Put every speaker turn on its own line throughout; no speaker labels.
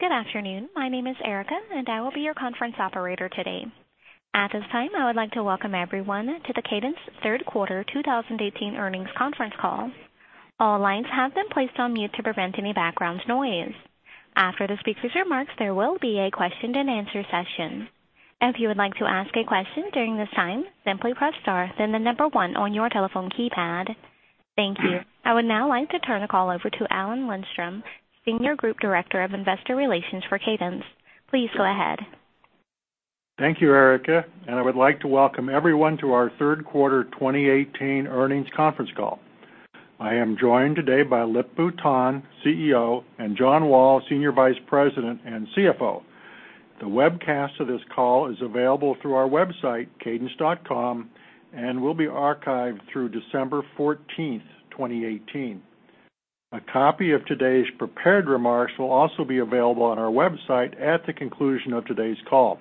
Good afternoon. My name is Erica, and I will be your conference operator today. At this time, I would like to welcome everyone to the Cadence third quarter 2018 earnings conference call. All lines have been placed on mute to prevent any background noise. After the speaker's remarks, there will be a question and answer session. If you would like to ask a question during this time, simply press star, then 1 on your telephone keypad. Thank you. I would now like to turn the call over to Alan Lindstrom, Senior Group Director of Investor Relations for Cadence. Please go ahead.
Thank you, Erica. I would like to welcome everyone to our third quarter 2018 earnings conference call. I am joined today by Lip-Bu Tan, CEO, and John Wall, Senior Vice President and CFO. The webcast of this call is available through our website, cadence.com, and will be archived through December 14th, 2018. A copy of today's prepared remarks will also be available on our website at the conclusion of today's call.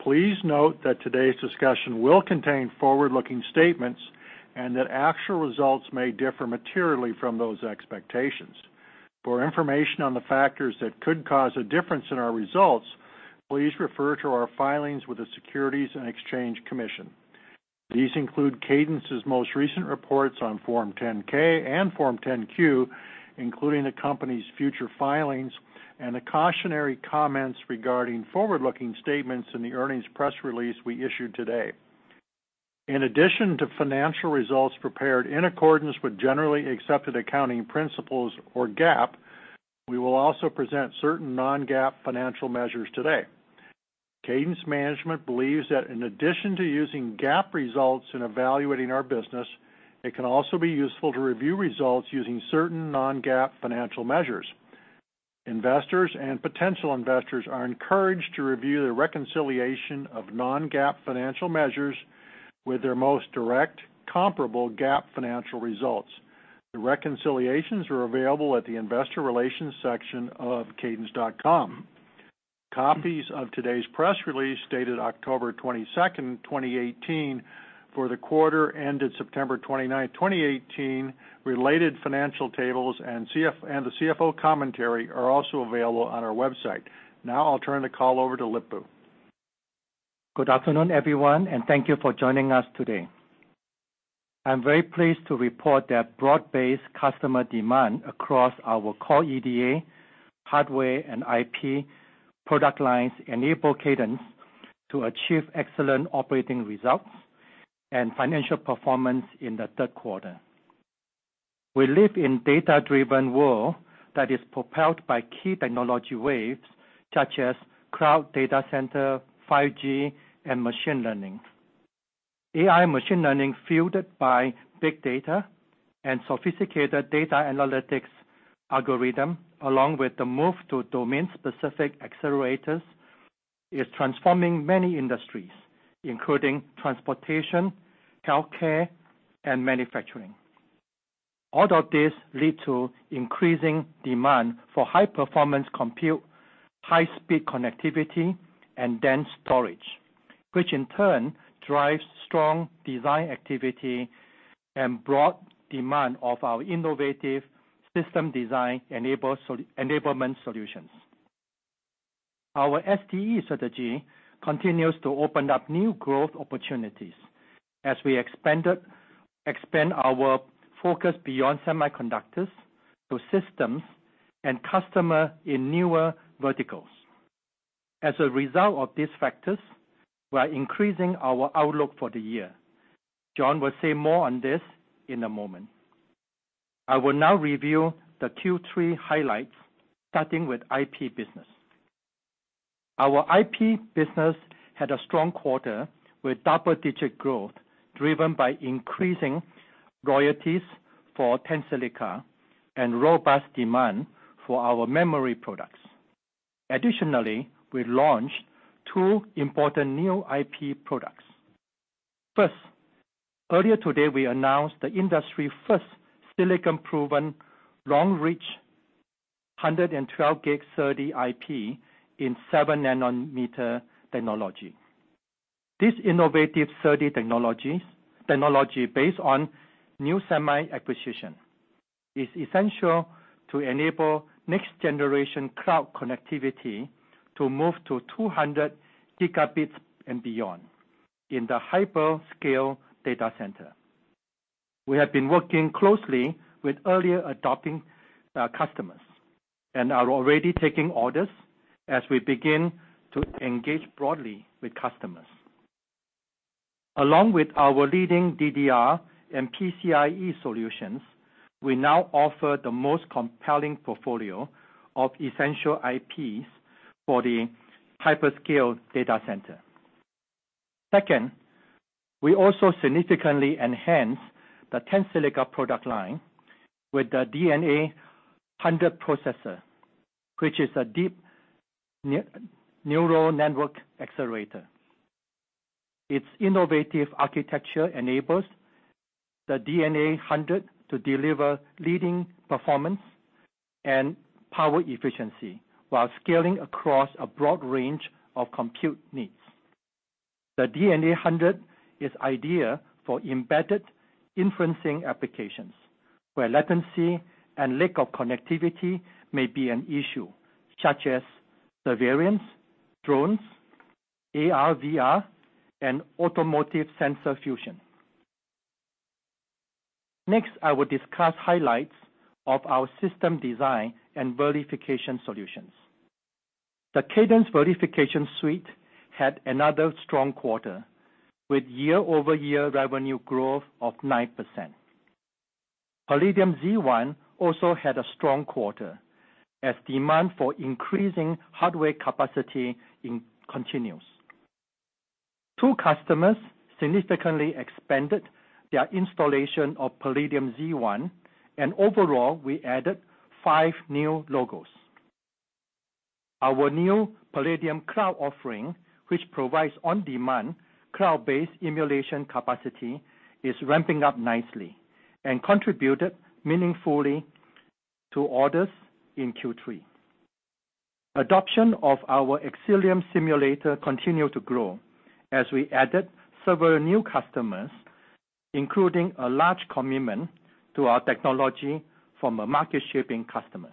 Please note that today's discussion will contain forward-looking statements and that actual results may differ materially from those expectations. For information on the factors that could cause a difference in our results, please refer to our filings with the Securities and Exchange Commission. These include Cadence's most recent reports on Form 10-K and Form 10-Q, including the company's future filings and the cautionary comments regarding forward-looking statements in the earnings press release we issued today. In addition to financial results prepared in accordance with generally accepted accounting principles or GAAP, we will also present certain non-GAAP financial measures today. Cadence management believes that in addition to using GAAP results in evaluating our business, it can also be useful to review results using certain non-GAAP financial measures. Investors and potential investors are encouraged to review the reconciliation of non-GAAP financial measures with their most direct comparable GAAP financial results. The reconciliations are available at the investor relations section of cadence.com. Copies of today's press release, dated October 22nd, 2018, for the quarter ended September 29th, 2018, related financial tables, and the CFO commentary are also available on our website. Now I'll turn the call over to Lip-Bu.
Good afternoon, everyone. Thank you for joining us today. I'm very pleased to report that broad-based customer demand across our core EDA, hardware, and IP product lines enable Cadence to achieve excellent operating results and financial performance in the third quarter. We live in a data-driven world that is propelled by key technology waves such as cloud data center, 5G, and machine learning. AI machine learning, fueled by big data and sophisticated data analytics algorithm, along with the move to domain-specific accelerators, is transforming many industries, including transportation, healthcare, and manufacturing. All of this lead to increasing demand for high-performance compute, high-speed connectivity, and dense storage, which in turn drives strong design activity and broad demand of our innovative system design enablement solutions. Our SDE strategy continues to open up new growth opportunities as we expand our focus beyond semiconductors to systems and customer in newer verticals. As a result of these factors, we are increasing our outlook for the year. John will say more on this in a moment. I will now review the Q3 highlights, starting with IP business. Our IP business had a strong quarter with double-digit growth, driven by increasing royalties for Tensilica and robust demand for our memory products. Additionally, we launched two important new IP products. First, earlier today we announced the industry-first silicon-proven 112G Long-Reach SerDes IP in seven nanometer technology. This innovative SerDes technology based on nusemi acquisition is essential to enable next-generation cloud connectivity to move to 200 gigabits and beyond in the hyperscale data center. We have been working closely with early adopting customers and are already taking orders as we begin to engage broadly with customers. Along with our leading DDR and PCIe solutions, we now offer the most compelling portfolio of essential IPs for the hyperscale data center. Second, we also significantly enhance the Tensilica product line with the DNA 100 processor, which is a deep neural network accelerator. Its innovative architecture enables the DNA 100 to deliver leading performance and power efficiency while scaling across a broad range of compute needs. The DNA 100 is ideal for embedded inferencing applications, where latency and lack of connectivity may be an issue, such as surveillance, drones, AR, VR, and automotive sensor fusion. Next, I will discuss highlights of our system design and verification solutions. The Cadence Verification Suite had another strong quarter, with year-over-year revenue growth of 9%. Palladium Z1 also had a strong quarter as demand for increasing hardware capacity continues. Two customers significantly expanded their installation of Palladium Z1, and overall, we added five new logos. Our new Palladium Cloud offering, which provides on-demand, cloud-based emulation capacity, is ramping up nicely and contributed meaningfully to orders in Q3. Adoption of our Xcelium simulator continued to grow as we added several new customers, including a large commitment to our technology from a market-shipping customer.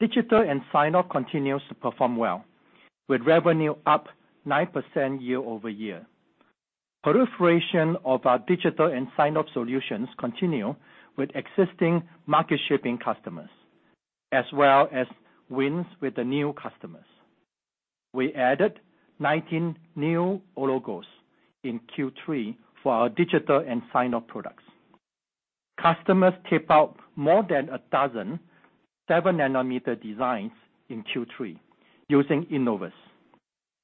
Digital and sign-off continues to perform well, with revenue up 9% year-over-year. Proliferation of our digital and sign-off solutions continue with existing market-shipping customers, as well as wins with the new customers. We added 19 new logos in Q3 for our digital and sign-off products. Customers tape out more than a dozen seven-nanometer designs in Q3 using Innovus.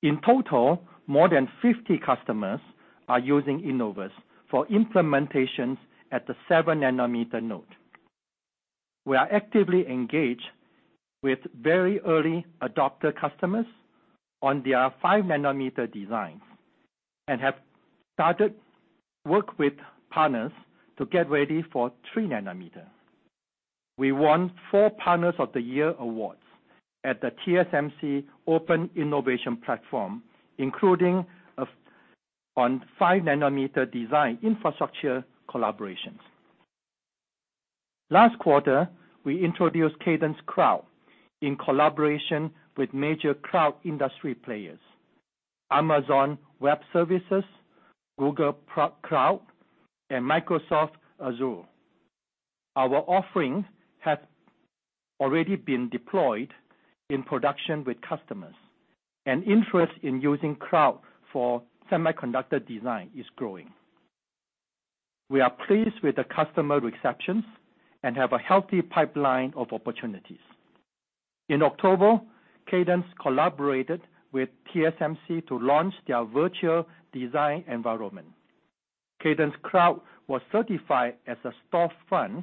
In total, more than 50 customers are using Innovus for implementations at the seven-nanometer node. We are actively engaged with very early adopter customers on their five-nanometer designs and have started work with partners to get ready for three nanometer. We won four Partners of the Year awards at the TSMC Open Innovation Platform, including on five-nanometer design infrastructure collaborations. Last quarter, we introduced Cadence Cloud in collaboration with major cloud industry players: Amazon Web Services, Google Cloud, and Microsoft Azure. Our offerings have already been deployed in production with customers. Interest in using cloud for semiconductor design is growing. We are pleased with the customer receptions and have a healthy pipeline of opportunities. In October, Cadence collaborated with TSMC to launch their virtual design environment. Cadence Cloud was certified as a storefront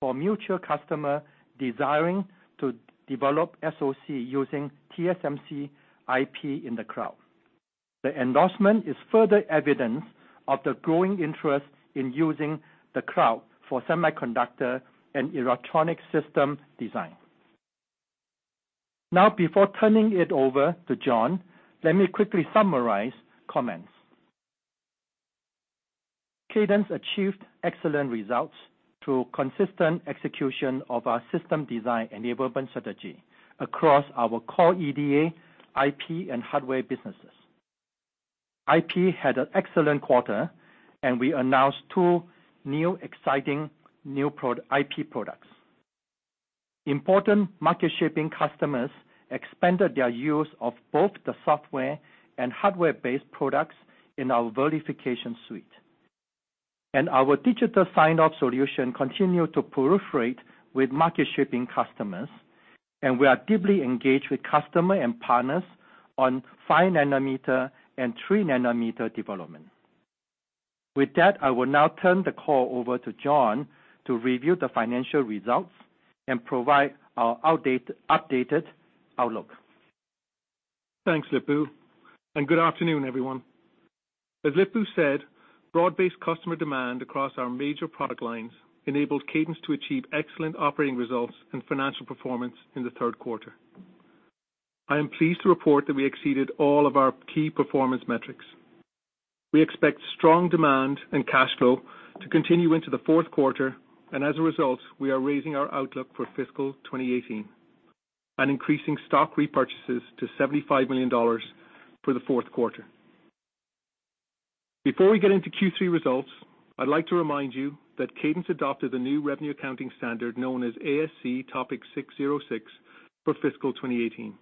for mutual customer desiring to develop SoC using TSMC IP in the cloud. The endorsement is further evidence of the growing interest in using the cloud for semiconductor and electronic system design. Before turning it over to John, let me quickly summarize comments. Cadence achieved excellent results through consistent execution of our system design enablement strategy across our core EDA, IP, and hardware businesses. IP had an excellent quarter, and we announced two exciting new IP products. Important market-shipping customers expanded their use of both the software and hardware-based products in our Cadence Verification Suite. Our digital sign-off solution continue to proliferate with market-shipping customers, and we are actively engaged with customer and partners on five nanometer and three nanometer development. I will now turn the call over to John to review the financial results and provide our updated outlook.
Thanks, Lip-Bu, and good afternoon, everyone. As Lip-Bu said, broad-based customer demand across our major product lines enabled Cadence to achieve excellent operating results and financial performance in the third quarter. I am pleased to report that we exceeded all of our key performance metrics. We expect strong demand and cash flow to continue into the fourth quarter, and as a result, we are raising our outlook for fiscal 2018 and increasing stock repurchases to $75 million for the fourth quarter. Before we get into Q3 results, I'd like to remind you that Cadence adopted a new revenue accounting standard known as ASC Topic 606 for fiscal 2018.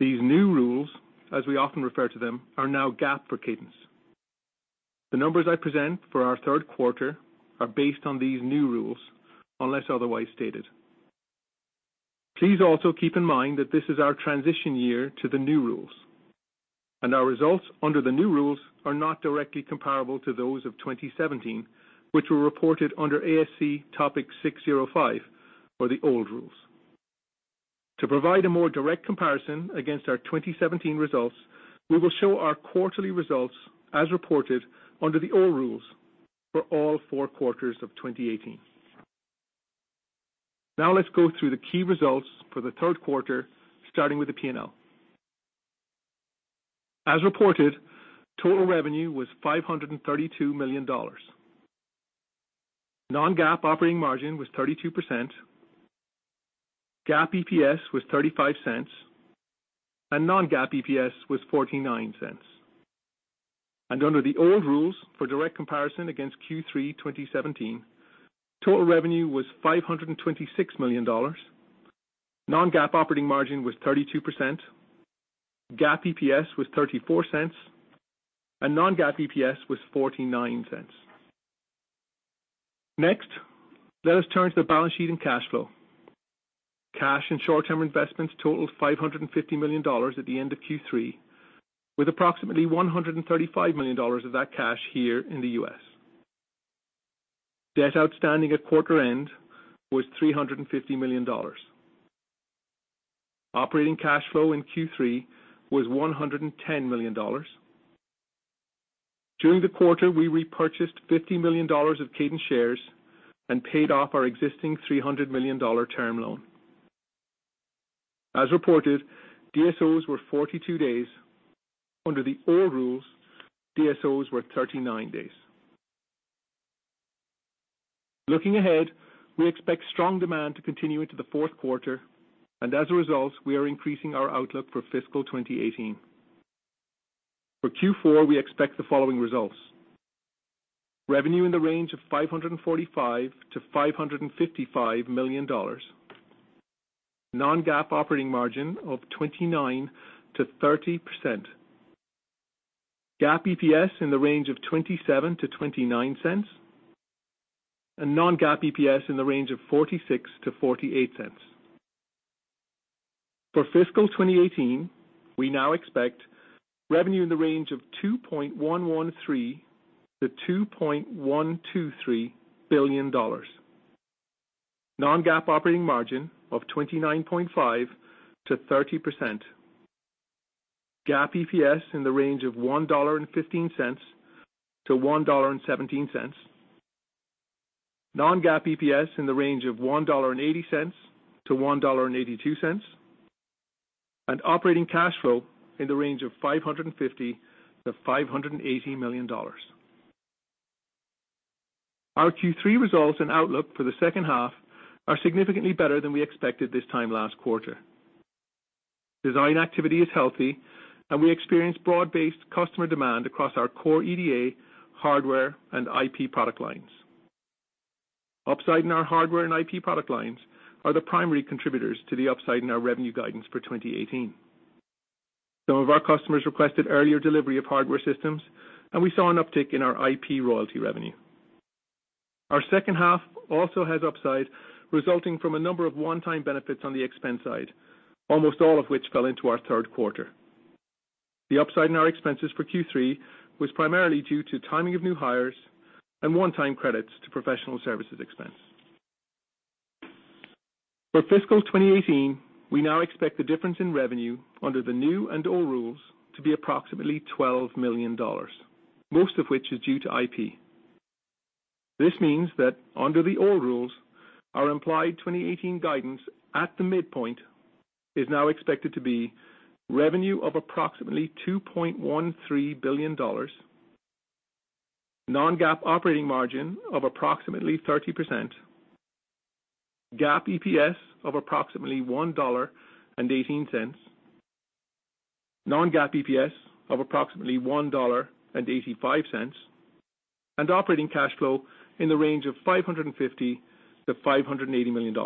These new rules, as we often refer to them, are now GAAP for Cadence. The numbers I present for our third quarter are based on these new rules, unless otherwise stated. Please also keep in mind that this is our transition year to the new rules, and our results under the new rules are not directly comparable to those of 2017, which were reported under ASC Topic 605, or the old rules. To provide a more direct comparison against our 2017 results, we will show our quarterly results as reported under the old rules for all four quarters of 2018. Let's go through the key results for the third quarter, starting with the P&L. As reported, total revenue was $532 million. Non-GAAP operating margin was 32%, GAAP EPS was $0.35, and non-GAAP EPS was $0.49. Under the old rules for direct comparison against Q3 2017, total revenue was $526 million, non-GAAP operating margin was 32%, GAAP EPS was $0.34, and non-GAAP EPS was $0.49. Let us turn to the balance sheet and cash flow. Cash and short-term investments totaled $550 million at the end of Q3, with approximately $135 million of that cash here in the U.S. Debt outstanding at quarter end was $350 million. Operating cash flow in Q3 was $110 million. During the quarter, we repurchased $50 million of Cadence shares and paid off our existing $300 million term loan. As reported, DSOs were 42 days. Under the old rules, DSOs were 39 days. Looking ahead, we expect strong demand to continue into the fourth quarter. As a result, we are increasing our outlook for fiscal 2018. For Q4, we expect the following results. Revenue in the range of $545 million-$555 million, non-GAAP operating margin of 29%-30%, GAAP EPS in the range of $0.27-$0.29, and non-GAAP EPS in the range of $0.46-$0.48. For fiscal 2018, we now expect revenue in the range of $2.113 billion-$2.123 billion, non-GAAP operating margin of 29.5%-30%, GAAP EPS in the range of $1.15-$1.17, non-GAAP EPS in the range of $1.80-$1.82, and operating cash flow in the range of $550 million-$580 million. Our Q3 results and outlook for the second half are significantly better than we expected this time last quarter. Design activity is healthy, and we experience broad-based customer demand across our core EDA, hardware, and IP product lines. Upside in our hardware and IP product lines are the primary contributors to the upside in our revenue guidance for 2018. Some of our customers requested earlier delivery of hardware systems, and we saw an uptick in our IP royalty revenue. Our second half also has upside resulting from a number of one-time benefits on the expense side, almost all of which fell into our third quarter. The upside in our expenses for Q3 was primarily due to timing of new hires and one-time credits to professional services expense. For fiscal 2018, we now expect the difference in revenue under the new and old rules to be approximately $12 million, most of which is due to IP. This means that under the old rules, our implied 2018 guidance at the midpoint is now expected to be revenue of approximately $2.13 billion, non-GAAP operating margin of approximately 30%, GAAP EPS of approximately $1.18, non-GAAP EPS of approximately $1.85, and operating cash flow in the range of $550 million-$580 million.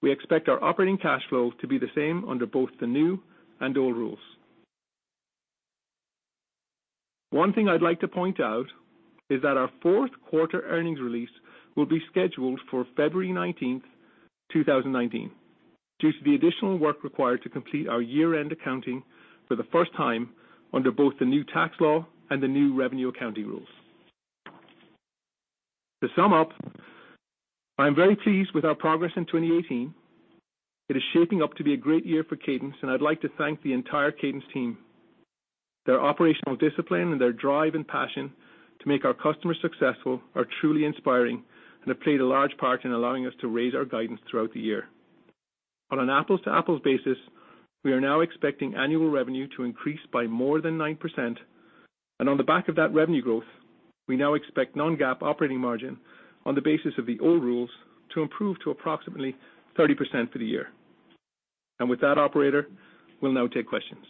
We expect our operating cash flow to be the same under both the new and old rules. One thing I'd like to point out is that our fourth quarter earnings release will be scheduled for February 19th, 2019, due to the additional work required to complete our year-end accounting for the first time under both the new tax law and the new revenue accounting rules. To sum up, I am very pleased with our progress in 2018. It is shaping up to be a great year for Cadence, and I'd like to thank the entire Cadence team. Their operational discipline and their drive and passion to make our customers successful are truly inspiring and have played a large part in allowing us to raise our guidance throughout the year. On an apples-to-apples basis, we are now expecting annual revenue to increase by more than 9%. On the back of that revenue growth, we now expect non-GAAP operating margin on the basis of the old rules to improve to approximately 30% for the year. With that, operator, we'll now take questions.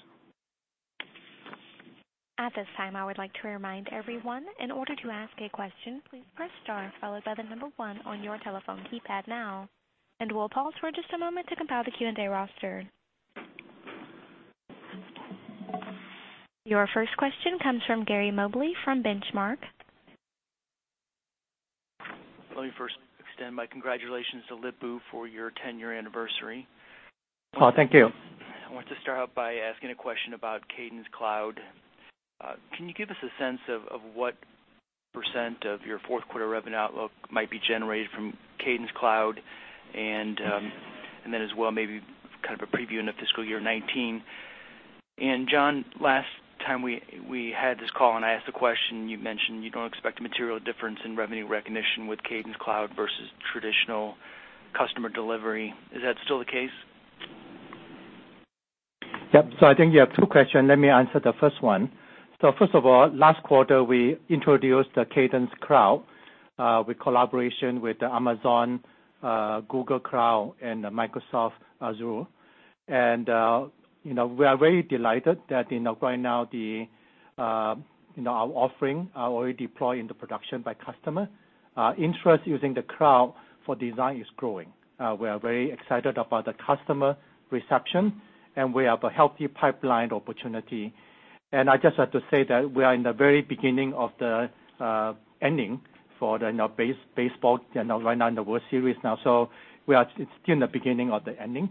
At this time, I would like to remind everyone, in order to ask a question, please press star followed by the number 1 on your telephone keypad now, and we'll pause for just a moment to compile the Q&A roster. Your first question comes from Gary Mobley from Benchmark.
Let me first extend my congratulations to Lip-Bu for your 10-year anniversary.
Oh, thank you.
I want to start out by asking a question about Cadence Cloud. Can you give us a sense of what % of your fourth quarter revenue outlook might be generated from Cadence Cloud? Then as well, maybe kind of a preview into fiscal year 2019. John, last time we had this call and I asked the question, you mentioned you don't expect a material difference in revenue recognition with Cadence Cloud versus traditional customer delivery. Is that still the case?
Yep. I think you have two questions. Let me answer the first one. First of all, last quarter we introduced the Cadence Cloud with collaboration with Amazon, Google Cloud, and Microsoft Azure. We are very delighted that right now our offering are already deployed into production by customer. Interest using the cloud for design is growing. We are very excited about the customer reception, and we have a healthy pipeline opportunity. I just have to say that we are in the very beginning of the ending for the baseball, right now in the World Series now. We are still in the beginning of the ending.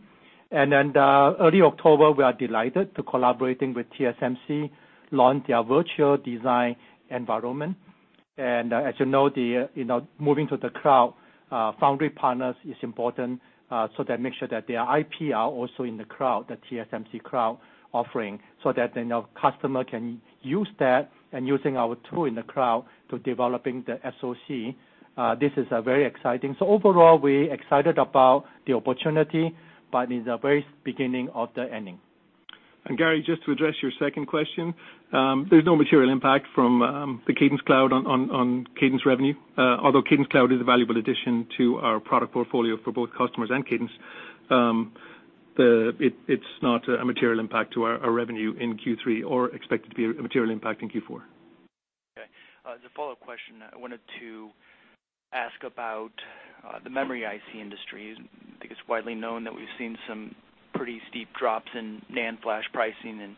The early October, we are delighted to collaborating with TSMC launch their virtual design environment. As you know, moving to the cloud foundry partners is important, so they make sure that their IP are also in the cloud, the TSMC Cloud offering, so that customer can use that and using our tool in the cloud to developing the SOC. This is very exciting. Overall, we excited about the opportunity, but in the very beginning of the ending.
Gary, just to address your second question, there's no material impact from the Cadence Cloud on Cadence revenue. Although Cadence Cloud is a valuable addition to our product portfolio for both customers and Cadence. It's not a material impact to our revenue in Q3 or expected to be a material impact in Q4.
Okay. As a follow-up question, I wanted to ask about the memory IC industry. I think it's widely known that we've seen some pretty steep drops in NAND flash pricing and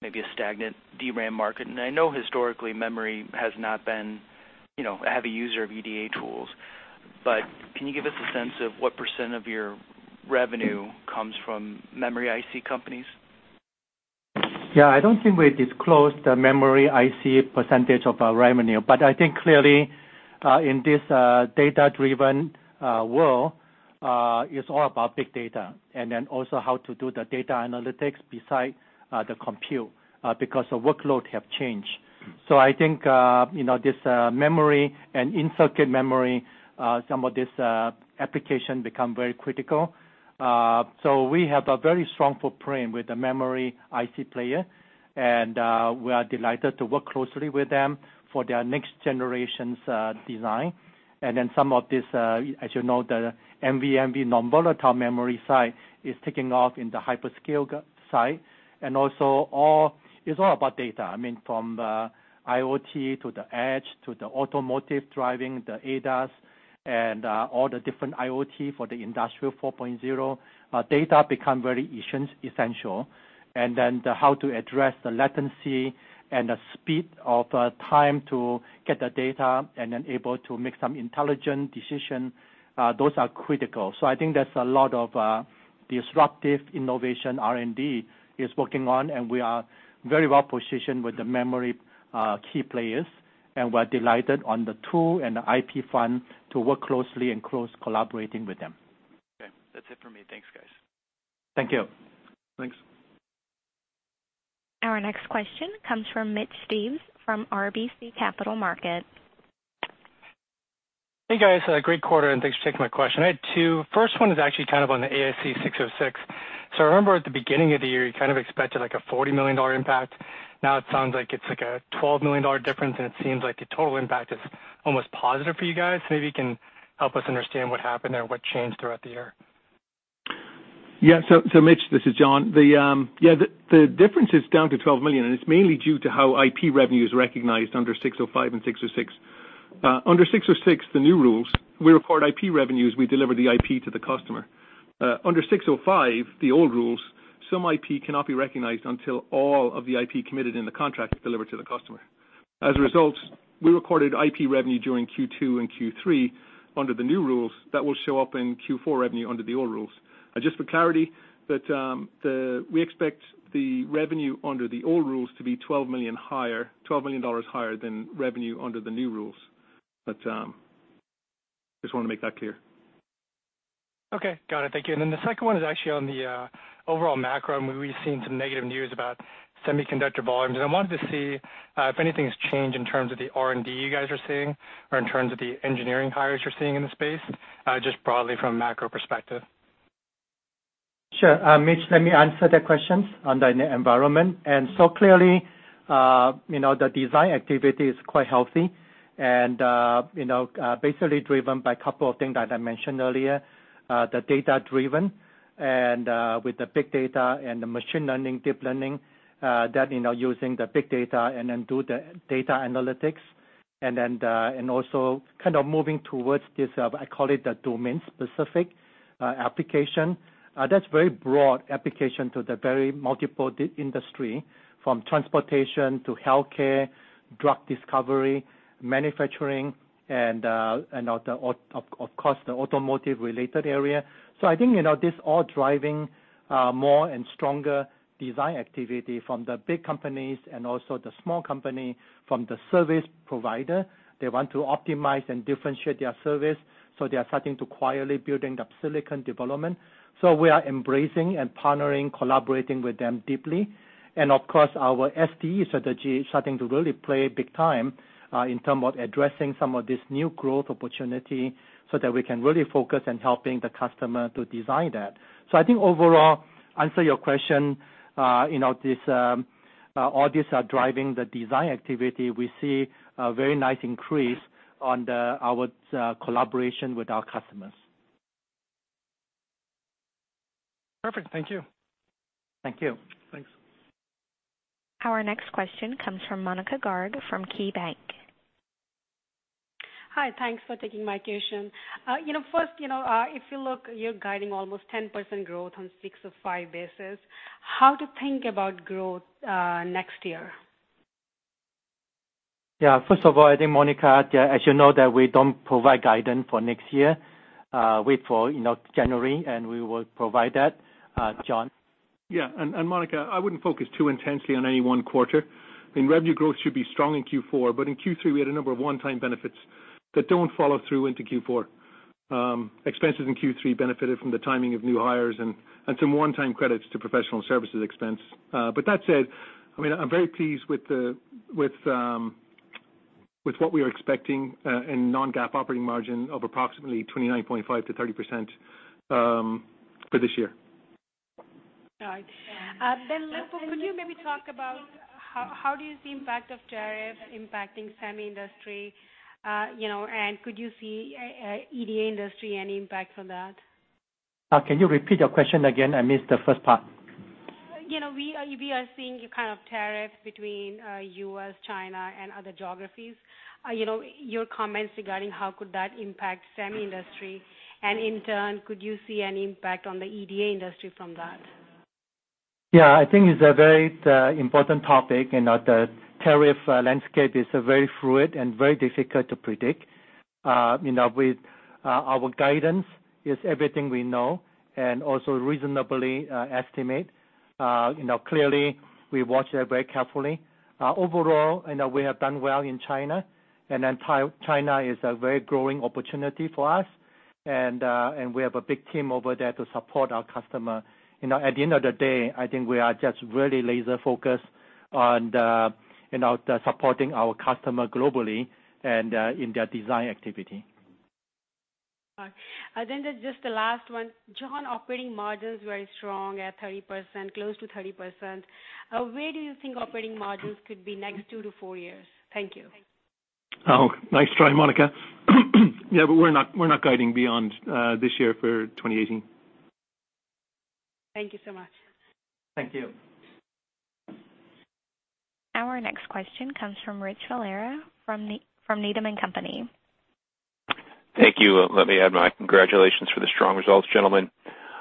maybe a stagnant DRAM market. I know historically memory has not been a heavy user of EDA tools, but can you give us a sense of what % of your revenue comes from memory IC companies?
I don't think we disclosed the memory IC percentage of our revenue, I think clearly, in this data-driven world, it's all about big data and then also how to do the data analytics beside the compute, because the workload have changed. I think, this memory and in-circuit memory, some of this application become very critical. We have a very strong footprint with the memory IC player, and we are delighted to work closely with them for their next generation's design. Some of this, as you know, the NVM, non-volatile memory side, is taking off in the hyperscale side. It's all about data. I mean, from the IoT to the edge, to the automotive driving, the ADAS, and all the different IoT for the Industry 4.0, data become very essential. How to address the latency and the speed of time to get the data and then able to make some intelligent decision, those are critical. I think that's a lot of disruptive innovation R&D is working on, and we are very well-positioned with the memory key players, and we're delighted on the tool and the IP front to work closely and close collaborating with them.
That's it for me. Thanks, guys.
Thank you.
Thanks.
Our next question comes from Mitch Steves from RBC Capital Markets.
Hey, guys. Great quarter, and thanks for taking my question. I had two. First one is actually on the ASC Topic 606. I remember at the beginning of the year, you expected a $40 million impact. Now it sounds like it's a $12 million difference, and it seems like the total impact is almost positive for you guys. Maybe you can help us understand what happened there and what changed throughout the year.
Yeah. Mitch, this is John. The difference is down to $12 million, and it's mainly due to how IP revenue is recognized under ASC Topic 605 and ASC Topic 606. Under ASC Topic 606, the new rules, we record IP revenue as we deliver the IP to the customer. Under ASC Topic 605, the old rules, some IP cannot be recognized until all of the IP committed in the contract is delivered to the customer. As a result, we recorded IP revenue during Q2 and Q3 under the new rules that will show up in Q4 revenue under the old rules. Just for clarity, we expect the revenue under the old rules to be $12 million higher than revenue under the new rules. Just want to make that clear.
Okay. Got it. Thank you. Then the second one is actually on the overall macro, and we've seen some negative news about semiconductor volumes. I wanted to see if anything has changed in terms of the R&D you guys are seeing, or in terms of the engineering hires you're seeing in the space, just broadly from a macro perspective.
Sure. Mitch, let me answer the questions on the environment. Clearly, the design activity is quite healthy and basically driven by a couple of things that I mentioned earlier: the data-driven and with the big data and the machine learning, deep learning, that using the big data and then do the data analytics; and also kind of moving towards this, I call it the domain-specific application that's very broad application to the very multiple industry, from transportation to healthcare drug discovery, manufacturing, and of course, the automotive-related area. I think this all driving more and stronger design activity from the big companies and also the small company from the service provider. They want to optimize and differentiate their service, so they are starting to quietly building up silicon development. We are embracing and partnering, collaborating with them deeply. Of course, our SDE strategy is starting to really play big time in term of addressing some of this new growth opportunity, so that we can really focus on helping the customer to design that. I think overall, answer your question, all these are driving the design activity. We see a very nice increase on our collaboration with our customers.
Perfect. Thank you.
Thank you.
Thanks.
Our next question comes from Monika Garg from KeyBanc.
Hi. Thanks for taking my question. First, if you look, you're guiding almost 10% growth on ASC 605 basis. How to think about growth next year?
First of all, I think, Monika, as you know, that we don't provide guidance for next year. Wait for January, and we will provide that. John?
Monika, I wouldn't focus too intensely on any one quarter. I mean, revenue growth should be strong in Q4, but in Q3, we had a number of one-time benefits that don't follow through into Q4. Expenses in Q3 benefited from the timing of new hires and some one-time credits to professional services expense. That said, I'm very pleased with what we are expecting in non-GAAP operating margin of approximately 29.5%-30% for this year.
All right. Lip-Bu, could you maybe talk about how do you see impact of tariff impacting semi industry? Could you see EDA industry, any impact from that?
Can you repeat your question again? I missed the first part.
We are seeing a kind of tariff between U.S., China, and other geographies. Your comments regarding how could that impact semi industry, in turn, could you see any impact on the EDA industry from that?
Yeah. I think it's a very important topic, that the tariff landscape is very fluid and very difficult to predict. With our guidance is everything we know also reasonably estimate. Clearly, we watch that very carefully. Overall, we have done well in China, then China is a very growing opportunity for us. We have a big team over there to support our customer. At the end of the day, I think we are just really laser-focused on supporting our customer globally and in their design activity.
All right. There's just the last one. John, operating margin's very strong at 30%, close to 30%. Where do you think operating margins could be next 2-4 years? Thank you.
Oh, nice try, Monika. Yeah, we're not guiding beyond this year for 2018.
Thank you so much.
Thank you.
Our next question comes from Richard Valera from Needham & Company.
Thank you. Let me add my congratulations for the strong results, gentlemen.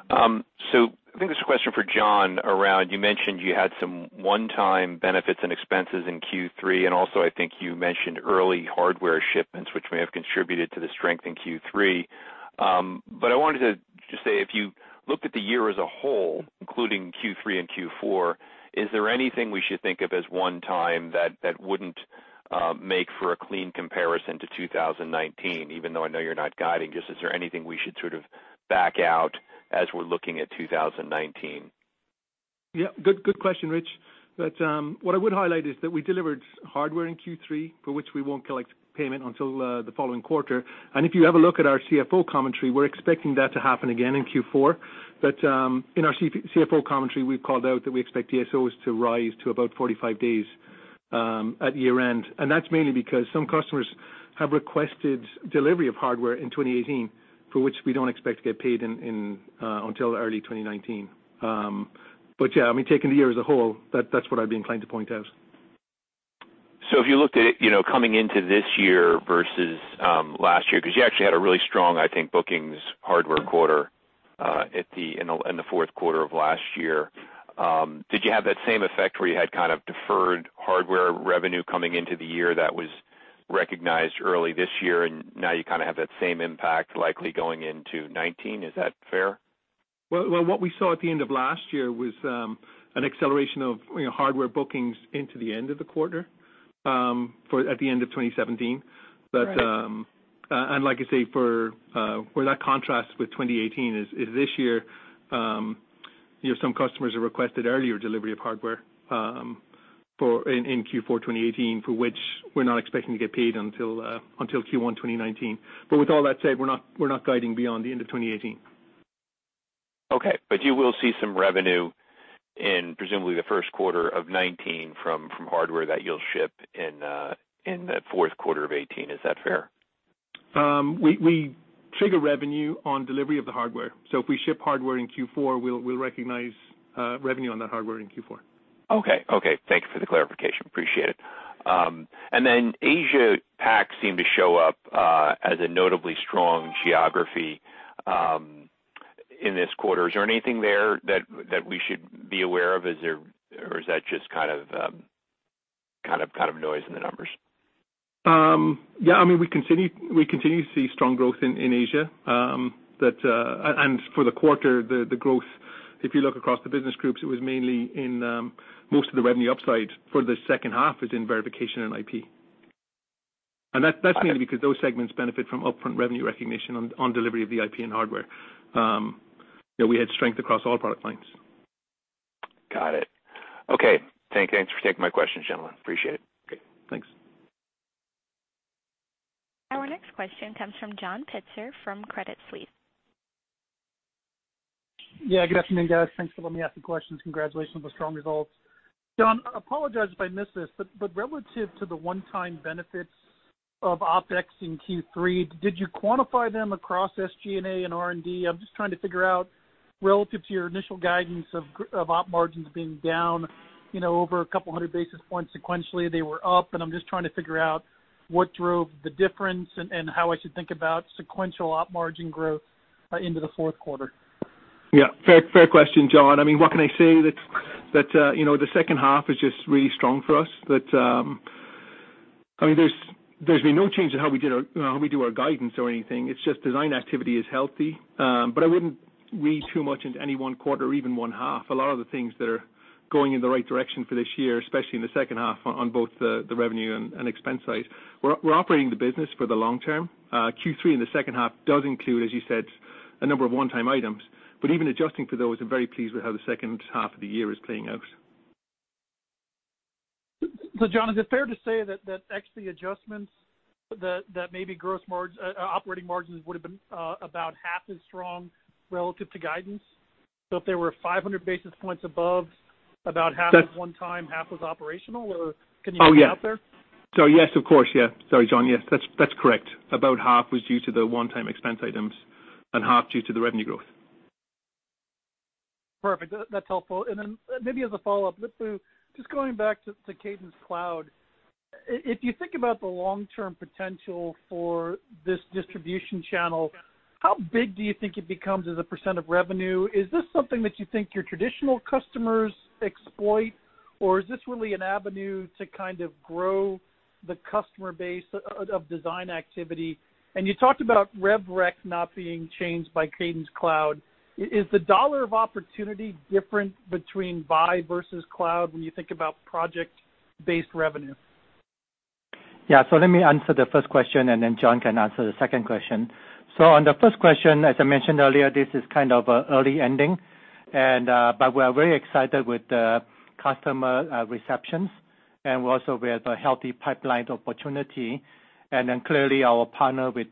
I think this is a question for John around, you mentioned you had some one-time benefits and expenses in Q3, and also, I think you mentioned early hardware shipments, which may have contributed to the strength in Q3. I wanted to just say, if you looked at the year as a whole, including Q3 and Q4, is there anything we should think of as one time that wouldn't make for a clean comparison to 2019, even though I know you're not guiding, just is there anything we should sort of back out as we're looking at 2019?
Yeah. Good question, Rich. What I would highlight is that we delivered hardware in Q3, for which we won't collect payment until the following quarter. If you have a look at our CFO commentary, we're expecting that to happen again in Q4. In our CFO commentary, we've called out that we expect DSOs to rise to about 45 days at year-end. That's mainly because some customers have requested delivery of hardware in 2018, for which we don't expect to get paid until early 2019. Yeah, taking the year as a whole, that's what I'd be inclined to point out.
If you looked at it, coming into this year versus last year, because you actually had a really strong, I think, bookings hardware quarter in the fourth quarter of last year. Did you have that same effect where you had kind of deferred hardware revenue coming into the year that was recognized early this year, and now you kind of have that same impact likely going into 2019? Is that fair?
What we saw at the end of last year was an acceleration of hardware bookings into the end of the quarter, at the end of 2017.
Right.
And like I say, where that contrasts with 2018 is, this year some customers have requested earlier delivery of hardware in Q4 2018, for which we're not expecting to get paid until Q1 2019. With all that said, we're not guiding beyond the end of 2018.
Okay. You will see some revenue in presumably the first quarter of 2019 from hardware that you'll ship in the fourth quarter of 2018. Is that fair?
We trigger revenue on delivery of the hardware. If we ship hardware in Q4, we'll recognize revenue on that hardware in Q4.
Okay. Thank you for the clarification. Appreciate it. Asia Pac seemed to show up as a notably strong geography in this quarter. Is there anything there that we should be aware of, or is that just noise in the numbers?
Yeah. We continue to see strong growth in Asia. For the quarter, the growth, if you look across the business groups, it was mainly in most of the revenue upside for the second half is in verification and IP. That's mainly because those segments benefit from upfront revenue recognition on delivery of the IP and hardware. We had strength across all product lines.
Got it. Okay. Thanks for taking my questions, gentlemen. Appreciate it.
Okay. Thanks.
Our next question comes from John Pitzer from Credit Suisse.
Yeah. Good afternoon, guys. Thanks for letting me ask the questions. Congratulations on the strong results. John, I apologize if I missed this, but relative to the one-time benefits of OpEx in Q3, did you quantify them across SG&A and R&D? I'm just trying to figure out relative to your initial guidance of op margins being down over a couple of hundred basis points sequentially, they were up, and I'm just trying to figure out what drove the difference and how I should think about sequential op margin growth into the fourth quarter.
Yeah. Fair question, John. What can I say that the second half is just really strong for us. There's been no change in how we do our guidance or anything. It's just design activity is healthy. I wouldn't read too much into any one quarter or even one half. A lot of the things that are going in the right direction for this year, especially in the second half, on both the revenue and expense side. We're operating the business for the long term. Q3 in the second half does include, as you said, a number of one-time items. Even adjusting for those, I'm very pleased with how the second half of the year is playing out.
John, is it fair to say that actually adjustments that maybe operating margins would have been about half as strong relative to guidance? If they were 500 basis points above, about half was one-time, half was operational? Can you comment out there?
Yes, of course. Sorry, John. Yes, that's correct. About half was due to the one-time expense items and half due to the revenue growth.
Perfect. That's helpful. Maybe as a follow-up, Lip-Bu, just going back to Cadence Cloud. If you think about the long-term potential for this distribution channel, how big do you think it becomes as a % of revenue? Is this something that you think your traditional customers exploit, or is this really an avenue to kind of grow the customer base of design activity? You talked about rev rec not being changed by Cadence Cloud. Is the dollar of opportunity different between buy versus cloud when you think about project-based revenue?
Let me answer the first question, and then John can answer the second question. On the first question, as I mentioned earlier, this is kind of an early ending, but we are very excited with the customer receptions and also with a healthy pipeline opportunity. Clearly our partner with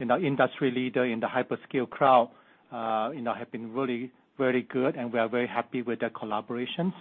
industry leader in the hyperscale cloud have been really very good, and we are very happy with their collaborations.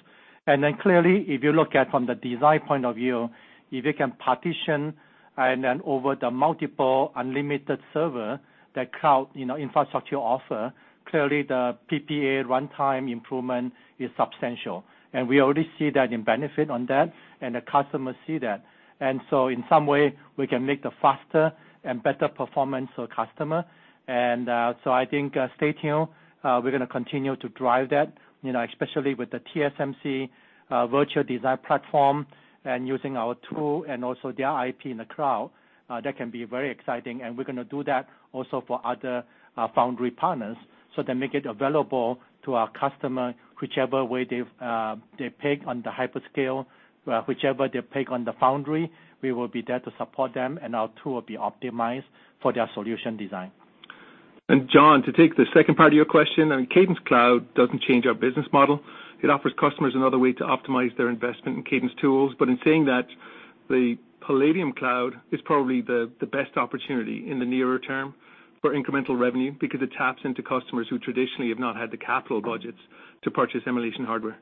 Clearly, if you look at from the design point of view, if you can partition and then over the multiple unlimited server that cloud infrastructure offer, clearly the PPA runtime improvement is substantial. We already see that in benefit on that, and the customers see that. In some way, we can make the faster and better performance for customer. I think stay tuned. We're going to continue to drive that, especially with the TSMC virtual design platform and using our tool and also their IP in the cloud. That can be very exciting, and we're going to do that also for other foundry partners so they make it available to our customer, whichever way they pick on the hyperscale, whichever they pick on the foundry, we will be there to support them, and our tool will be optimized for their solution design.
John, to take the second part of your question, Cadence Cloud doesn't change our business model. It offers customers another way to optimize their investment in Cadence tools. In saying that, the Palladium Cloud is probably the best opportunity in the nearer term for incremental revenue because it taps into customers who traditionally have not had the capital budgets to purchase emulation hardware.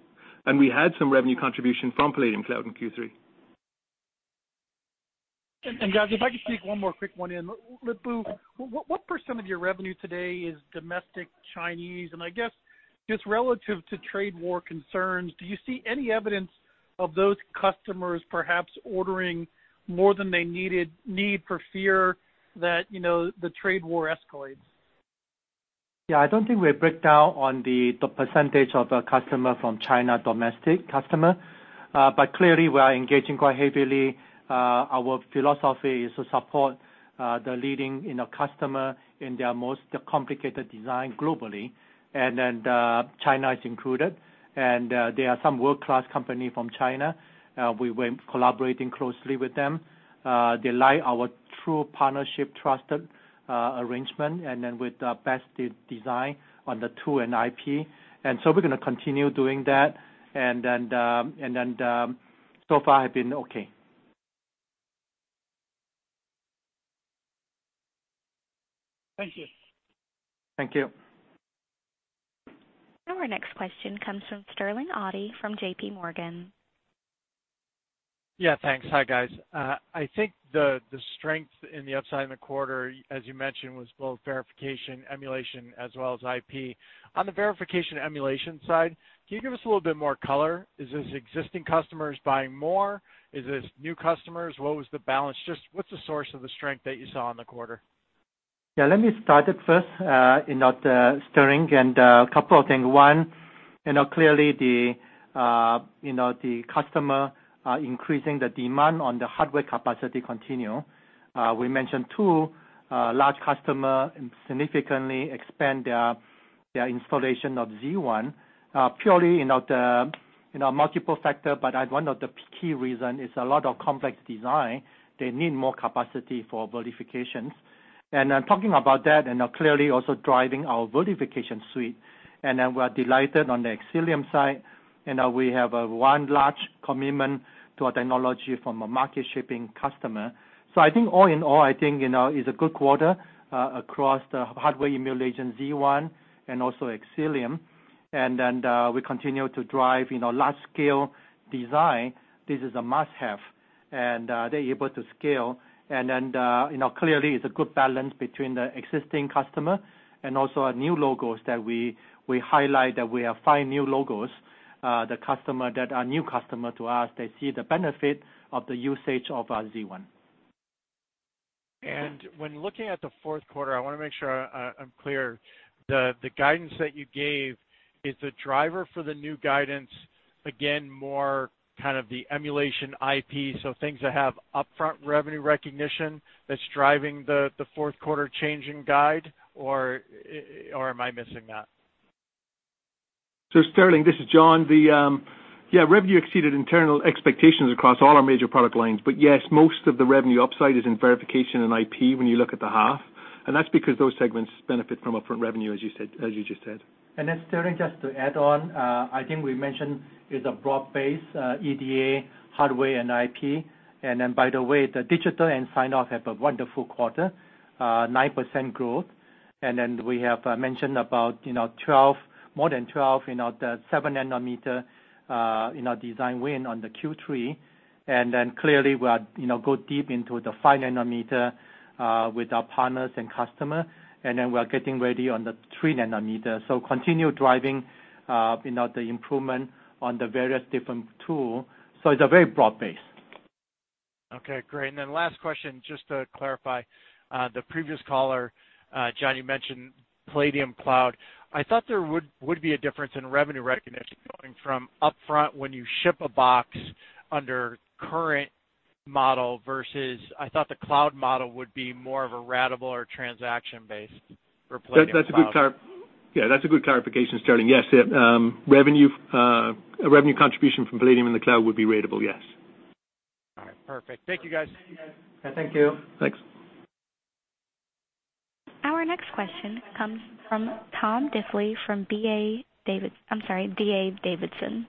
We had some revenue contribution from Palladium Cloud in Q3.
Guys, if I could sneak one more quick one in. Lip-Bu, what % of your revenue today is domestic Chinese? I guess just relative to trade war concerns, do you see any evidence of those customers perhaps ordering more than they need for fear that the trade war escalates?
Yeah. I don't think we break down on the % of the customer from China domestic customer. Clearly, we are engaging quite heavily. Our philosophy is to support the leading customer in their most complicated design globally. China is included, and there are some world-class company from China. We've been collaborating closely with them. They like our true partnership trusted arrangement, with the best design on the tool and IP. We're going to continue doing that. So far have been okay.
Thank you.
Thank you.
Our next question comes from Sterling Auty from J.P. Morgan.
Yeah, thanks. Hi, guys. I think the strength in the upside in the quarter, as you mentioned, was both verification, emulation, as well as IP. On the verification emulation side, can you give us a little bit more color? Is this existing customers buying more? Is this new customers? What was the balance? Just what's the source of the strength that you saw in the quarter?
Yeah, let me start it first, Sterling. A couple of things. One, clearly the customer increasing the demand on the hardware capacity continue. We mentioned two large customer significantly expand their installation of Z1 purely in a multiple factor, but one of the key reason is a lot of complex design. They need more capacity for verifications. Talking about that, clearly also driving our Cadence Verification Suite, we're delighted on the Xcelium side, we have one large commitment to a technology from a market-shipping customer. I think all in all, I think it's a good quarter across the hardware emulation Z1 and also Xcelium. We continue to drive large scale design. This is a must-have, and they're able to scale. Clearly, it's a good balance between the existing customer and also our new logos that we highlight, that we have five new logos. The customer that are new customer to us, they see the benefit of the usage of our Z1.
When looking at the fourth quarter, I want to make sure I'm clear. The guidance that you gave, is the driver for the new guidance, again, more kind of the emulation IP, so things that have upfront revenue recognition that's driving the fourth quarter changing guide, or am I missing that?
Sterling, this is John. Yeah, revenue exceeded internal expectations across all our major product lines. Yes, most of the revenue upside is in verification and IP when you look at the half, and that's because those segments benefit from upfront revenue, as you just said.
Sterling, just to add on, I think we mentioned it's a broad base, EDA, hardware, and IP. By the way, the digital and signoff have a wonderful quarter, 9% growth. We have mentioned about more than 12, the 7 nanometer design win on the Q3. Clearly, we go deep into the 5 nanometer with our partners and customer. We are getting ready on the 3 nanometer. Continue driving the improvement on the various different tool. It's a very broad base.
Okay, great. Last question, just to clarify. The previous caller, John, you mentioned Palladium Cloud. I thought there would be a difference in revenue recognition going from upfront when you ship a box under current model versus I thought the cloud model would be more of a ratable or transaction based for Palladium Cloud.
Yeah, that's a good clarification, Sterling. Yes. Revenue contribution from Palladium in the cloud would be ratable, yes.
All right. Perfect. Thank you, guys.
Thank you.
Thanks.
Our next question comes from Tom Diffely from D.A. Davidson.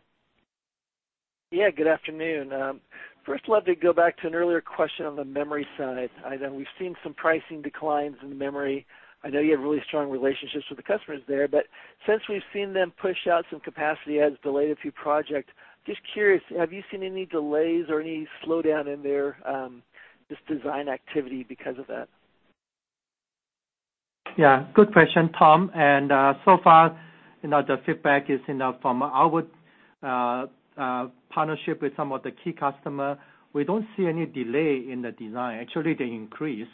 Yeah, good afternoon. First, love to go back to an earlier question on the memory side. I know we've seen some pricing declines in memory. I know you have really strong relationships with the customers there, but since we've seen them push out some capacity adds, delayed a few project, just curious, have you seen any delays or any slowdown in their design activity because of that?
Yeah, good question, Tom. So far, the feedback is from our partnership with some of the key customer, we don't see any delay in the design. Actually, they increase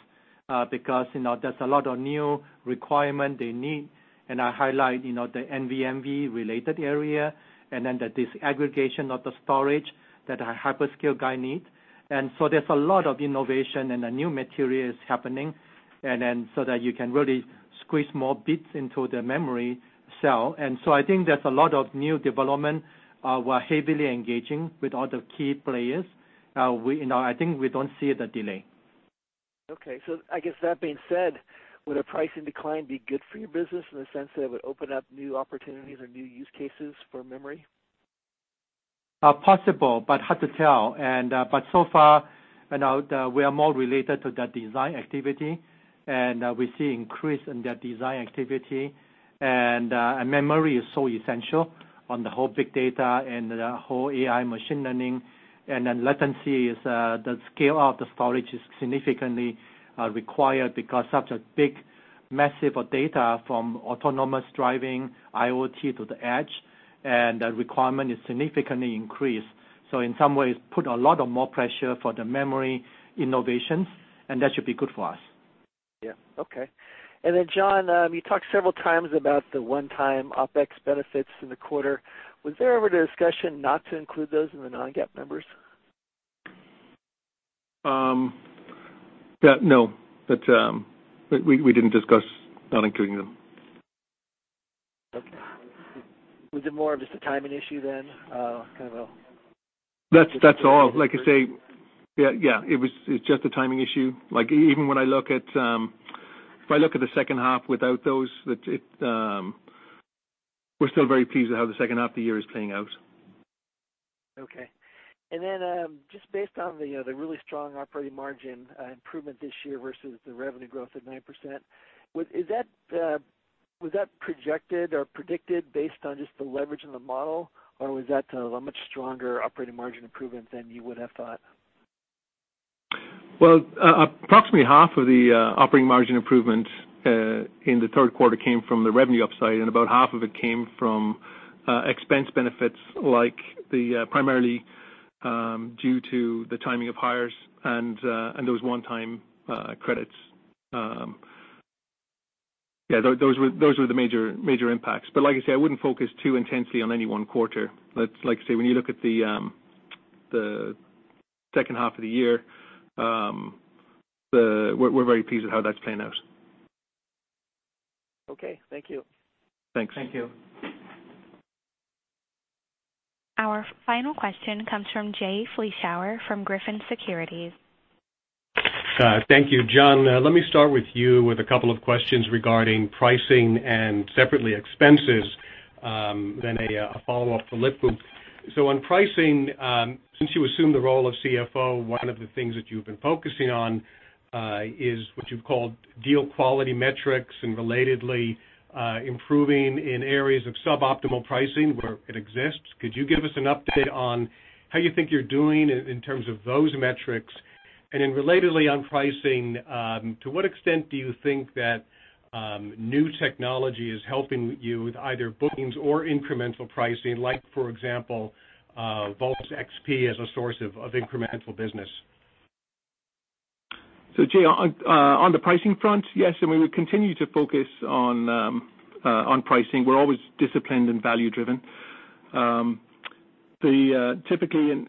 because there's a lot of new requirement they need, and I highlight the NVMe related area and the disaggregation of the storage that a hyperscale guy need. There's a lot of innovation and the new materials happening, so that you can really squeeze more bits into the memory cell. I think there's a lot of new development. We're heavily engaging with all the key players. I think we don't see the delay.
Okay. I guess that being said, would a pricing decline be good for your business in the sense that it would open up new opportunities or new use cases for memory?
Possible, hard to tell. So far, we are more related to the design activity, we see increase in the design activity. Memory is so essential on the whole big data and the whole AI machine learning. Latency is the scale out, the storage is significantly required because such a big massive of data from autonomous driving, IoT to the edge, the requirement is significantly increased. In some ways, put a lot of more pressure for the memory innovations, and that should be good for us.
Yeah. Okay. John, you talked several times about the one-time OpEx benefits in the quarter. Was there ever a discussion not to include those in the non-GAAP numbers?
No. We didn't discuss not including them.
Okay. Was it more of just a timing issue then?
That's all. Like I say, yeah, it's just a timing issue. If I look at the second half without those, we're still very pleased with how the second half of the year is playing out.
Okay. Just based on the really strong operating margin improvement this year versus the revenue growth at 9%, was that projected or predicted based on just the leverage in the model, or was that a much stronger operating margin improvement than you would have thought?
Well, approximately half of the operating margin improvement in the third quarter came from the revenue upside, and about half of it came from expense benefits primarily due to the timing of hires and those one-time credits. Those were the major impacts. Like I said, I wouldn't focus too intensely on any one quarter. Like I say, when you look at the second half of the year, we're very pleased with how that's panned out.
Okay. Thank you.
Thanks.
Thank you.
Our final question comes from Jay Vleeschhouwer from Griffin Securities.
Thank you. John, let me start with you with a couple of questions regarding pricing and separately expenses, then a follow-up for Lip-Bu. On pricing, since you assumed the role of CFO, one of the things that you've been focusing on is what you've called deal quality metrics and relatedly, improving in areas of suboptimal pricing where it exists. Could you give us an update on how you think you're doing in terms of those metrics? And then relatedly on pricing, to what extent do you think that new technology is helping you with either bookings or incremental pricing? Like for example, Voltus XP as a source of incremental business.
Jay, on the pricing front, yes, and we will continue to focus on pricing. We're always disciplined and value-driven. Typically,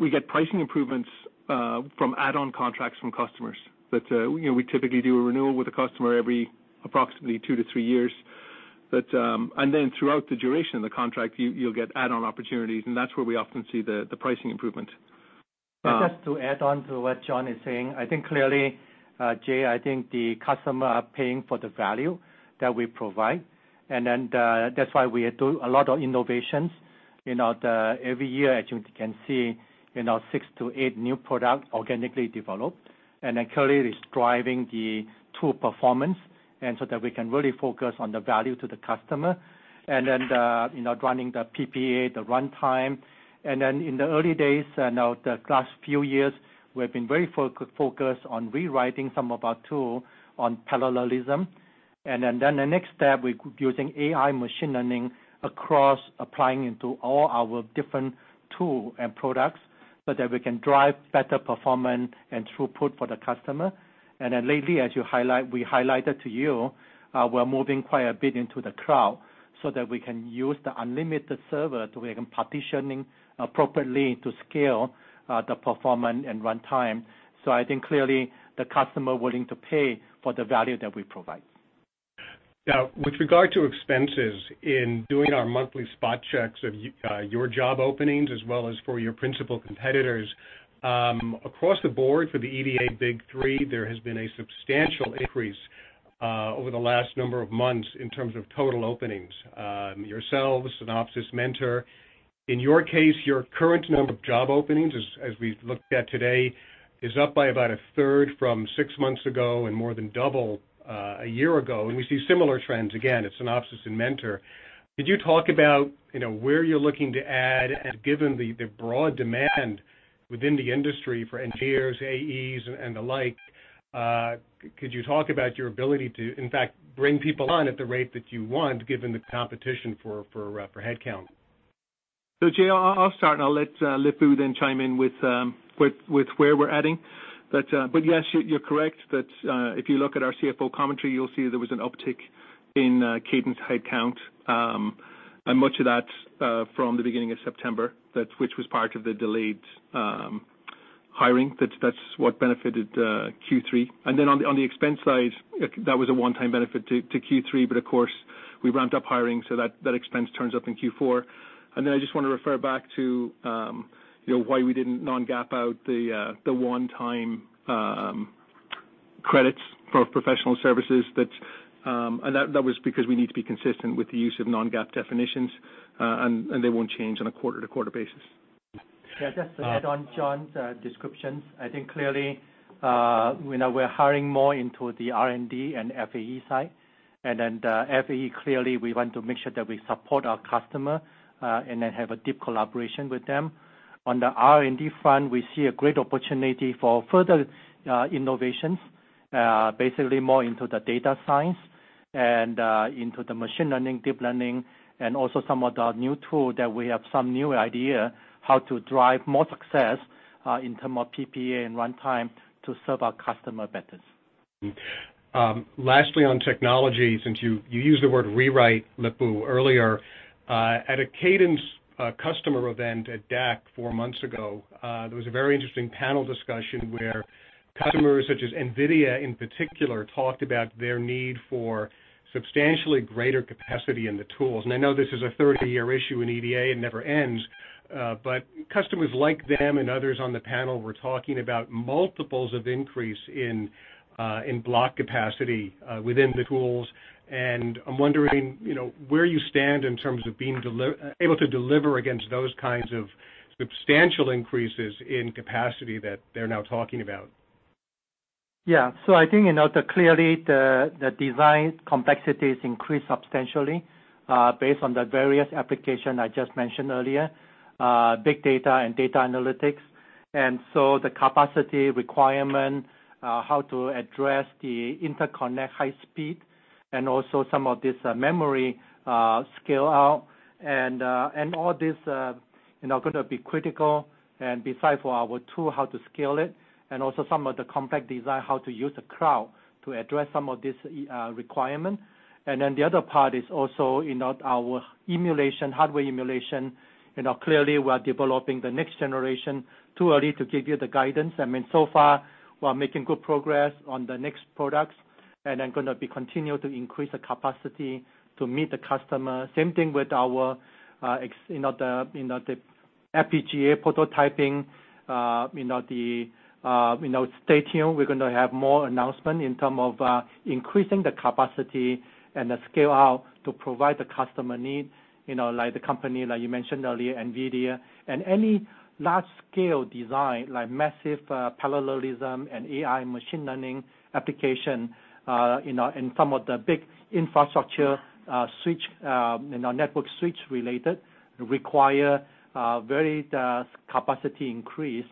we get pricing improvements from add-on contracts from customers. We typically do a renewal with a customer every approximately two to three years. Throughout the duration of the contract, you'll get add-on opportunities, and that's where we often see the pricing improvement.
Just to add on to what Alan Lindstrom is saying, I think clearly, Jay, I think the customer are paying for the value that we provide. That's why we do a lot of innovations. Every year, as you can see, six to eight new product organically developed currently is driving the tool performance so that we can really focus on the value to the customer running the PPA, the runtime. In the early days, the last few years, we've been very focused on rewriting some of our tool on parallelism. The next step, we're using AI machine learning across applying into all our different tool and products so that we can drive better performance and throughput for the customer. Lately, as we highlighted to you, we're moving quite a bit into the cloud so that we can use the unlimited server to be partitioning appropriately to scale the performance and runtime. I think clearly the customer willing to pay for the value that we provide.
Now with regard to expenses in doing our monthly spot checks of your job openings as well as for your principal competitors, across the board for the EDA big three, there has been a substantial increase over the last number of months in terms of total openings. Yourselves, Synopsys, Mentor. In your case, your current number of job openings as we've looked at today, is up by about a third from six months ago and more than double a year ago, and we see similar trends again at Synopsys and Mentor. Could you talk about where you're looking to add and given the broad demand within the industry for engineers, AEs, and the like, could you talk about your ability to, in fact, bring people on at the rate that you want given the competition for headcount?
Jay Vleeschauwer, I'll start and I'll let Lip-Bu Tan then chime in with where we're adding. Yes, you're correct that if you look at our CFO commentary, you'll see there was an uptick in Cadence headcount, and much of that from the beginning of September, which was part of the delayed hiring. That's what benefited Q3. On the expense side, that was a one-time benefit to Q3, but of course we ramped up hiring so that expense turns up in Q4. I just want to refer back to why we didn't non-GAAP out the one-time credits for professional services. That was because we need to be consistent with the use of non-GAAP definitions, and they won't change on a quarter-to-quarter basis.
Yeah, just to add on John's descriptions, I think clearly, we're hiring more into the R&D and FAE side. The FAE, clearly we want to make sure that we support our customer, and then have a deep collaboration with them. On the R&D front, we see a great opportunity for further innovations, basically more into the data science and into the machine learning, deep learning, and also some of the new tool that we have some new idea how to drive more success in terms of PPA and runtime to serve our customer better.
Lastly, on technology, since you used the word rewrite, Lip-Bu, earlier. At a Cadence customer event at DAC four months ago, there was a very interesting panel discussion where customers such as NVIDIA in particular talked about their need for substantially greater capacity in the tools. I know this is a 30-year issue in EDA, it never ends. Customers like them and others on the panel were talking about multiples of increase in block capacity within the tools, and I'm wondering where you stand in terms of being able to deliver against those kinds of substantial increases in capacity that they're now talking about.
Yeah. I think clearly the design complexities increase substantially, based on the various application I just mentioned earlier, big data and data analytics. The capacity requirement, how to address the interconnect high speed, and also some of this memory scale-out. All these are going to be critical. Besides for our tool, how to scale it, and also some of the complex design, how to use the cloud to address some of these requirements. The other part is also our emulation, hardware emulation. Clearly, we are developing the next generation. Too early to give you the guidance. So far, we are making good progress on the next products and then going to be continue to increase the capacity to meet the customer. Same thing with our FPGA prototyping. Stay tuned. We're going to have more announcement in terms of increasing the capacity and the scale-out to provide the customer needs, like the company that you mentioned earlier, NVIDIA. Any large-scale design, like massive parallelism and AI machine learning application in some of the big infrastructure switch, network switch-related, require capacity increase.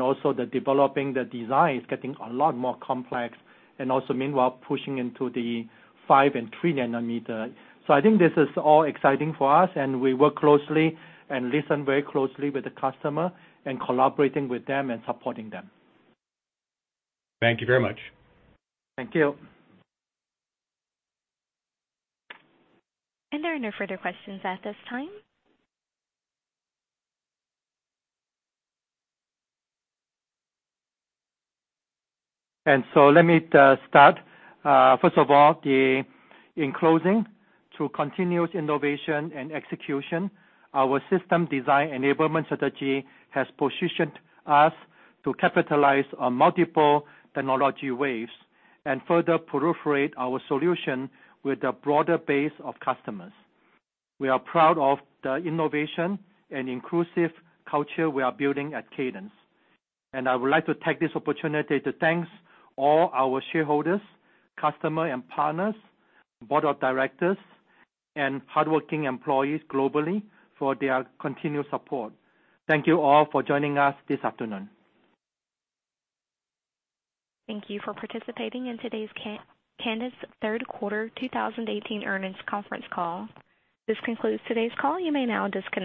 Also the developing the design is getting a lot more complex and also meanwhile pushing into the five and three nanometer. I think this is all exciting for us, and we work closely and listen very closely with the customer and collaborating with them and supporting them.
Thank you very much.
Thank you.
There are no further questions at this time.
Let me start. First of all, in closing, through continuous innovation and execution, our system design enablement strategy has positioned us to capitalize on multiple technology waves and further proliferate our solution with a broader base of customers. We are proud of the innovation and inclusive culture we are building at Cadence. I would like to take this opportunity to thank all our shareholders, customer and partners, board of directors, and hardworking employees globally for their continued support. Thank you all for joining us this afternoon.
Thank you for participating in today's Cadence third quarter 2018 earnings conference call. This concludes today's call. You may now disconnect.